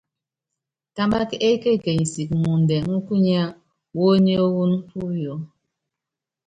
Támbák ékekenyi siki muundɛ múkúnyá wɔ́ɔ́níɔ́n puyó.